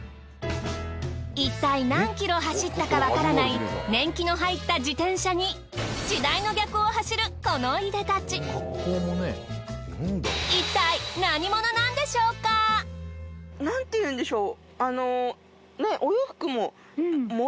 一体何キロ走ったかわからない年季の入った自転車に時代の逆を走るこのいでたち。なんていうんでしょう。